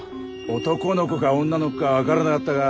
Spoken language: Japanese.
男の子か女の子か分からなかったが。